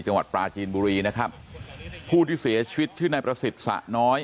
จังหวัดปลาจีนบุรีนะครับผู้ที่เสียชีวิตชื่อนายประสิทธิ์สะน้อย